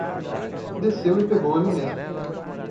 Desceu e pegou ele mesmo.